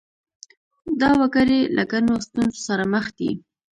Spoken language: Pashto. دا وګړي له ګڼو ستونزو سره مخ دي.